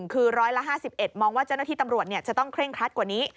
คือร้อยละ๕๑มองว่าเจ้าหน้าที่ตำรวจจะต้องเคร่งครัดกว่านี้